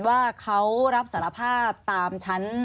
ว่าเขารับสารภาพตามชั้น